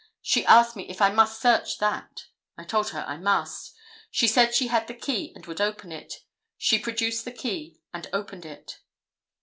She asked me if I must search that. I told her I must. She said she had the key and would open it. She produced the key and opened it."